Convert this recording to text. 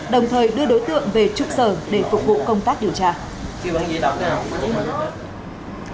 đồng thời đưa đối tượng về trục sở để phục vụ công tác điều tra